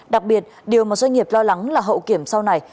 đặc biệt điều mà doanh nghiệp lo lắng là hậu kiểm sau này